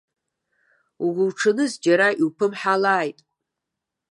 Угәуҽаныз, џьара иуԥымҳалааит.